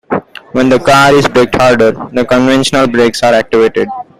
When the car is braked harder, the conventional brakes are activated.